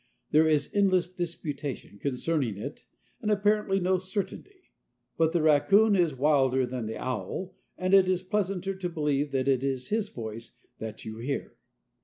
There is endless disputation concerning it and apparently no certainty, but the raccoon is wilder than the owl, and it is pleasanter to believe that it is his voice that you hear.